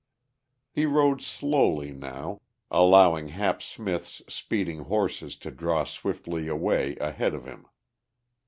He rode slowly now, allowing Hap Smith's speeding horses to draw swiftly away ahead of him.